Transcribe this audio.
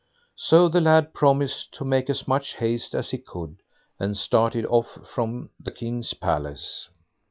So the lad promised to make as much haste as he could, and started off from the King's palace.